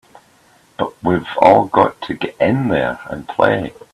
But we've all got to get in there and play!